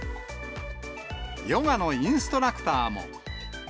ヨガのインストラクターも。